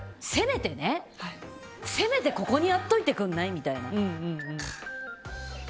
せめてね、ここにやっといてくんない？みたいな。